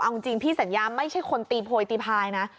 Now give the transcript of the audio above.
เอาจริงพี่สัญญาไม่ใช่คนตีโพยตีพายนะ